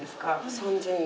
３，０００円。